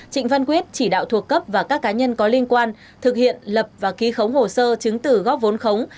trịnh văn quyết chỉ đạo thuộc cấp và các cá nhân có liên quan thực hiện lập và ký khống hồ sơ chứng tử góp vốn khống